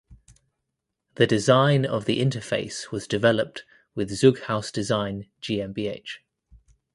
The design of the interface was developed with Zeughaus Design GmbH.